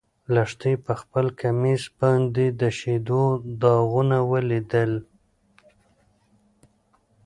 لښتې په خپل کمیس باندې د شيدو داغونه ولیدل.